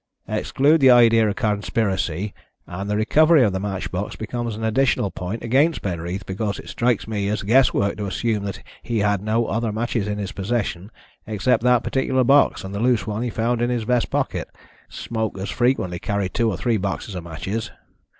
Exclude the idea of conspiracy, and the recovery of the match box becomes an additional point against Penreath, because it strikes me as guess work to assume that he had no other matches in his possession except that particular box and the loose one he found in his vest pocket. Smokers frequently carry two or three boxes of matches.